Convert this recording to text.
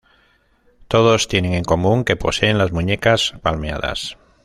Todos tienen en común que poseen las muñecas palmeadas.